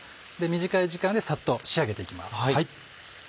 短い時間でサッと仕上げて行きます。